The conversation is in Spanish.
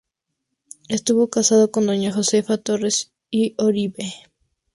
Estuvo casado con doña Josefa Torres y Orive.